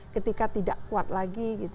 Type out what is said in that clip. ketika tidak kuat lagi